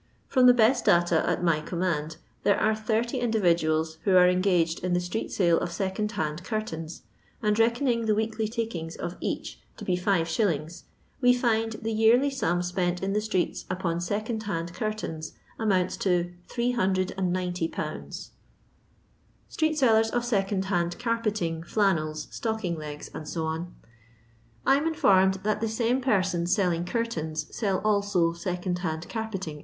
From the best data at my command there are 30 individuals who are en Siiged in the street sale of second and curtains, and reckoning the weekly takings of each to be &., we find the yearly sum spent in the streets upon second hand curtains amounts to 890 0 0 Street Sellers qf Seeand hand Carpeting, Flemnels, Stoeking leffs, Se. I am informed that the same persons selling curtains sell also second hand carpeting, &e.